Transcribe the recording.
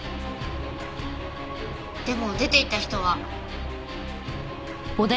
でも出ていった人は。